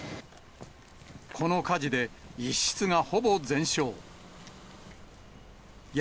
この火事で一室がほぼ全焼。